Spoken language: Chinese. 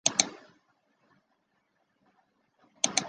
此数值关系到投手的控球精准度。